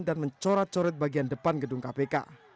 dan mencorot corot bagian depan gedung kpk